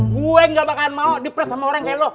gue nggak bakalan mau diperes sama orang kayak lo